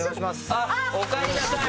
あっおかえりなさい！